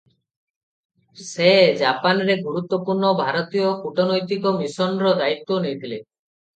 ସେ ଜାପାନରେ ଗୁରୁତ୍ୱପୂର୍ଣ୍ଣ ଭାରତୀୟ କୂଟନୈତିକ ମିଶନର ଦାୟିତ୍ୱ ନେଇଥିଲେ ।